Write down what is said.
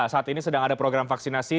saat ini sedang ada program vaksinasi